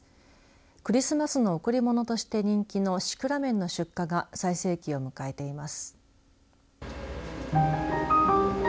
クリスマスの贈り物として人気のシクラメンの出荷が最盛期を迎えています。